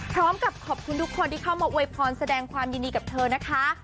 พร้อมกับขอบคุณทุกคนที่เข้ามาอวยพรแสดงความยินดีกับเธอนะคะ